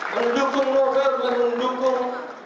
mendukung novel bukan mendukung